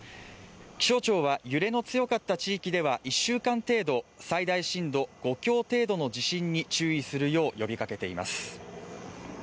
気象庁は揺れの強かった地域では、１週間程度、最大震度５強程度の地震に注意するよう呼びかけています。